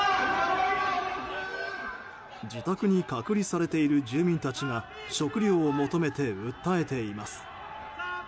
自宅に隔離されている住民たちが食料を求めて訴えています。